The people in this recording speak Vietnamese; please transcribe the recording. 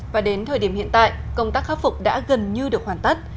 và đến thời điểm hiện tại công tác khắc phục đã gần như được hoàn tất